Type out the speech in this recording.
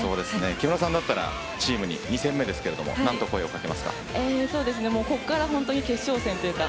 木村さんだったらチームに２戦目ですがここから決勝戦というか